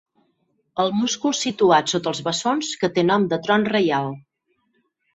El múscul situat sota els bessons que té nom de tron reial.